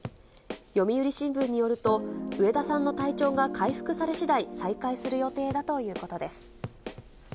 読売新聞によると、植田さんの体調が回復されしだい、再開する予定だということです。